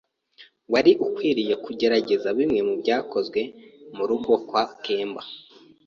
Wari ukwiye kugerageza bimwe mubyakozwe murugo rwa kemba.